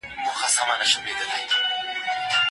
چې د دې کار مخکښان دي.